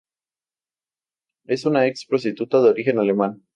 Es una ex prostituta de origen alemán.